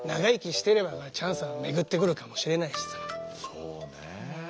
そうねえ。